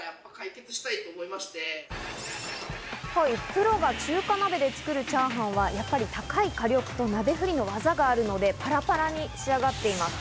プロが中華鍋で作るチャーハンはやっぱり高い火力と、鍋ふりの技があるので、パラパラに仕上がっています。